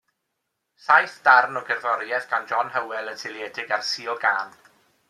Saith darn o gerddoriaeth gan John Hywel yn seiliedig ar Suo Gân.